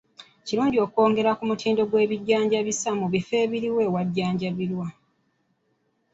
Kirungi okwongera ku mutindo gw'ebijjanjabisa mu bifo ebiriwo awajjanjabirwa.